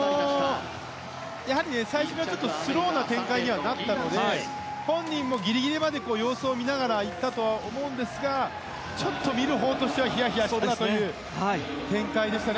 やはり、最初からちょっとスローな展開だったので本人もぎりぎりまで様子を見ながらいったと思うんですがちょっと見るほうとしてはひやひやした展開でしたね。